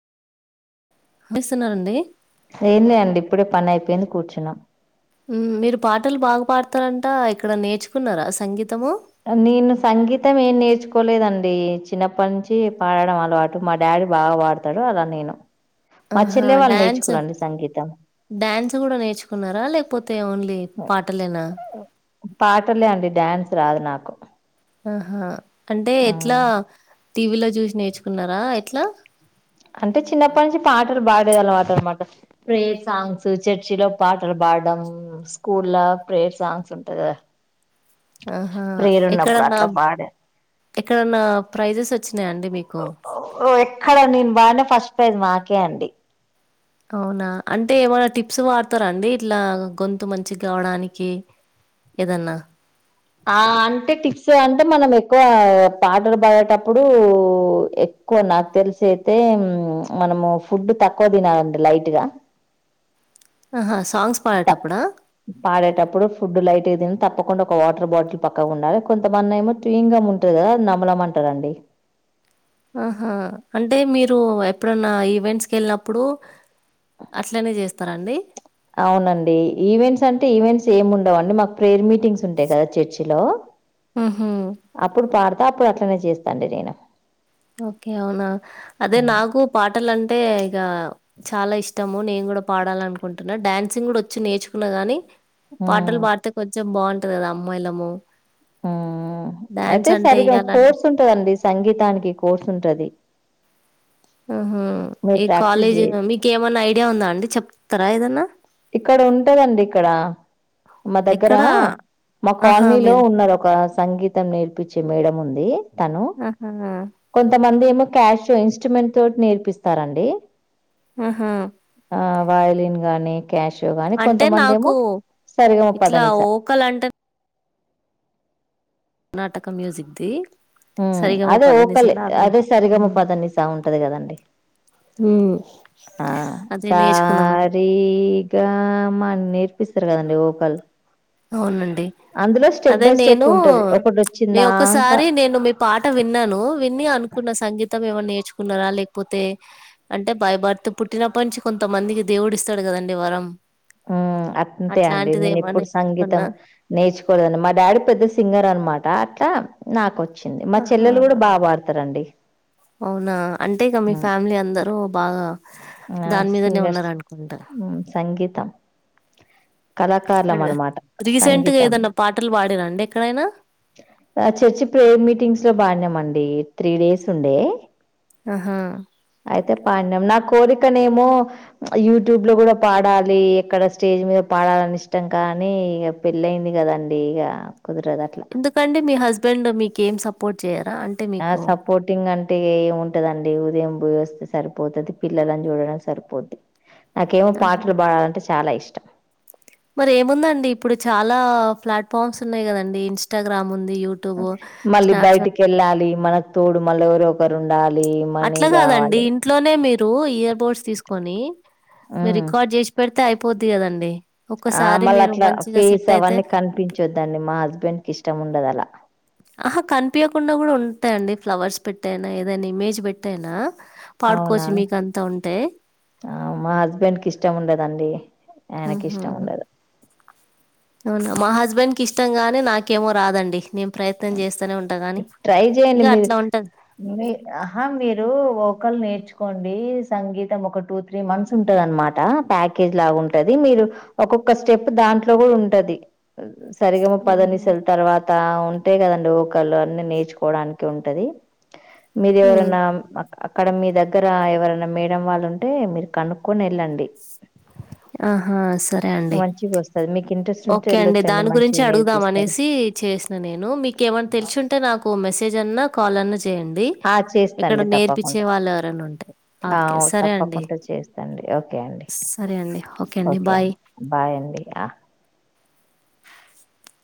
వినిపిస్తుందా అండి ఏ లే అండి ఇప్పుడే పని అయిపోయింది కూర్చున్నా మీరు పాటలు బాగా పాడతారంట ఇక్కడ నేర్చుకున్నారా సంగీతము నేను సంగీతం ఏం నేర్చుకోలేదండి చిన్నప్పటి నుంచి పాడడం అలవాటు మా డాడీ బాగా పాడతాడు అలా నేను మా ఆహా చెల్లె వాళ్ళు డ్యాన్స్ నేర్చుకురండి సంగీతం డ్యాన్స్ కూడా నేర్చుకున్నారా లేకపోతే ఓన్లీ పాటలేనా పాటలే అండి డ్యాన్స్ రాదు నాకు ఆహా అంటే ఎట్లా హ్మ్. టీవీలో చూసి నేర్చుకున్నారా ఎట్లా అంటే చిన్నప్పటి నుంచి పాటలు పాడేది అలవాటు అనమాట ప్రేయర్ సాంగ్స్ చర్చి లో పాటలు పాడడం స్కూల్ లో ప్రేయర్ సాంగ్స్ ఉంటాయి కదా ఆహా ప్రేరు ఉన్నప్పుడు అట్లా పాడ ఎక్కడన్న ప్రైజెస్ వచ్చి ఎక్కడ నేను బానే ఫస్ట్ మాకే అండి అవునా అంటే ఏమైనా టిప్స్ వాడతారా అండి ఇట్లా గొంతు మంచిగా కావడానికి ఏదన్నా ఆ అంటే టిప్స్ అంటే మనం ఎక్కువ పాటలు పడేటప్పుడు ఎక్కువ నాకు తెలిసయితే మనము ఫుడ్ తక్కువ తినాలండి లైట్గా ఆహా సాంగ్స్ పాడేటప్పుడా పాడేటప్పుడు ఫుడ్డు లైట్ గా తి తప్పకుండా ఒక వాటర్ బాటిల్ పక్కకు ఉండాలి కొంతమంది ఏమో చూయింగ్ గం ఉంటుంది కదా నమ్మలమంటారండి ఆహా అంటే మీరు ఎప్పుడన్నా ఈవెంట్స్కి వెళ్ళినప్పుడు అట్లనే చేస్తారండి అవునండి ఈవెంట్స్ అంటే ఈవెంట్స్ ఏమి ఉండవుండి మాకు ప్రేయర్ మీటింగ్స్ ఉంటాయి కదా చర్చి లో ఉహు అతాపుడు అట్లానె చేస్తా అండి నేను ఓకే అవునా అదే హ్మ్ నాకు పాటలంటే ఇగా చాలా ఇష్టము నేను కూడా పాడాల అనుకుంటున్నా డాన్సింగ్ కూడా వచ్చు నేర్చుకున్నా గాని హ్మ్ పాటలు పాడితే కొంచెం బాగుంట అమ్మాయిలం హ్మ్మ్ అయితే సరిగ్గా ఇయ్యాలంటే కోర్స్ ఉంటదండి సంగీతానికి కోర్సుంటది ఉహు ఏ కాలజ్ చేయ మీ కేవన్నాయి ఐడియా ఉందా అండి చెప్తారా ఏదన్నా ఇక్కడ ఉంటదండి ఇక్కడ మా దగ్గర ఎక్కడ మా ఆహా కాలనీలో మీది ఉన్నారు ఒక సంగీతం నేర్పించే మేడం ఉంది తను ఆహా కొంతమంది ఏమో క్యాష్ ఇన్స్ట్రుమెంట్ తోటి నేర్పిస్తారండి ఆహా ఆ వయలిన్ గాని క్యాషయో గానీ అంటే కొంతమంది ఏమో నాకు సరిగామ ఇట్లా పదనిస ఓకల్ అంటే కర్ణాటక మ్యూజిక్దిి అదే ఒకలే అదే సరిగమ పదన్ని చా ఉంటది కదండి ఉమ్ ఆ అదే సా నేర్చుకుందామని రీ గా మన్నర్ ప్పిస్తారు కదండి ఓకాల్ అవునండి అదే స్టెప్ నేను ఉంటది ఒకటి వచ్చిందాక ఒకసారి నేను మీ పాట విన్నాను విని అనుకున్న సంగీతం మొత్తం ఏమైన్నా నేర్చుకున్నారా లేకపోతే అంటే బై భర్త్ పుట్టినప్పటి నుంచి కొంతమందికి దేవుడు ఇస్తాడు కదండి వరం అంతే అండి అట్లాంటిది నేను ఏమన్నా ఇప్పుడు సంగీతం అనుకున్నా నేర్చుకోడదని మా డాడీ పెద్ద సింగర్ అనమాట అట్లా నాకొచ్చి వచ్చింది మా ఆహా చెల్లెలు కూడా బాగా వాడతారండి అవునా అంటే ఇక మీ ఫ్యామిలీ అందరు బా ఆ సింగర్స్ సంగీతం అ కళాకారులమనమాట. రీసెంట్గా సంగీతం. ఏదైన్నా పాటలు పాడ అంటే రండి ఎక్కడైనా చర్చి ప్రేయర్ మీటింగ్స్ లో బాన్నామండి త్రీ డేస్ ఉండే ఆహా అయితే పాడిం నా కోరికనేమో యూట్యూబ్ లో కూడా పాడాలి ఎక్కడ స్టేజ్ మీద పాడాలని ఇష్టం కానీ ఇక పెళ్ళయింది కదండి ఇక ఎందుకంటే మీ హస్బ ఇడ్ మీక ఏం సపోర్ట్ చేయాలి ఆ సపోర్టింగ్ అంట అంటే ఏంంటదండి ఉదయంమాయ వస్తే సరిపోతుది పిల్లలని చూడడం సరిపోద్ది నాకేమో ఆహా పాటలు పాడాలంటే చాలా ఇష్టం మరి ఏముందండి ఇప్పుడు చాలా ప్లాట్ఫామ్స్ ఉన్నాయి కదండి ఇన్స్టాగ్రామ్ ఉంది యూట్యూబ్ మళ్ళీ స్నాప్చాట్ బయటికి వెళ్ళాలి మనకు తోడు మళ్ళ ఎవరరో ఒకరు ఉండ అట్లా కాదండి ఇంట్లోనే మీరు ఇయర్ బోడ్స్ తీసుకొని మ మ్మ్ రికార్డ్ చేష్ ప అయితే అయిపోద్ది కదండి ఆ ఒక్కసారి మళ మీరు అట్లా మంచిగా ఫీస్ సెట్ అయితే అవన్నీ కనిపించొద్దండి మా హస్బెండ్ కి ఇష్టం ఉండదు అలా ఆహా కనిపించకుండా కూడా ఉంటాయిండి ఫ్లవర్స్ పెట్టేయినా ఏదైనా ఇమేజ్ పెట్టయినా అవునా మా హస్బెండ్ కి ఇష్టం ఉండదు దడి ఎనకి ఉహు ఇష్టముండదు అవునా మా హస్బెండ్ కి ఇష్టంగానే నాకేమో రాదండి నేను ప్రయత్నం చేస్తూనే ఉంటా గాని ట్రై ఇగ చేయండి మీరు అట్లా ఉంటది మీ ఆహా మీరు ఒకళ నేర్చుకోండి సంగీతం ఒక టూ త్రీ మంత్స్ ఉంటది అనమాట ప్యాకేజ్ లాగా ఉంటది మీరు ఒక్కొక్క స్టెప్ దాంట్లో కూడా ఉంటది స రీ గా మా పా ద నిసలు తర్వాత టా ఉం ఒకంటే కదండి ఒకకాళ్ళు అన్ని నేర్చుకోవడానికి ఉంటది మీ హ్మ్. ఎవరైనా అక్కడ మీ దగ్గర ఎవరైనా మేడం వాళ్ళు ఉంటే మీరు కనుక్కొని వెళ్ళండి ఆహా సరే అండి మంచిగొస్తది. మీకు ఇంట్రెస్ట్ ఉంటే ఓకే అండి ఎళ్ళొచ్చండి. దాని గురించి మంచిగా అడుగుదాం నేర్పిస్తారు. అనేసి చేసిన నేను ఏమన్నా తెలుసు ఉంటే నాకు మెసేజ్ అన్నా కాల్ యండి ఆ! ఇక్కడ చేస్తండి నేర్పించే తప్పకుండా. వాళ్ళు ఎవరనా ఉంటాయి ఆ! ఓకే సరే అండి తప్పకుండా చేస్తండి. ఓకే అండి. సరే అండి ఓకే అండి బాయ్ ఆ